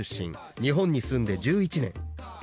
日本に住んで１１年。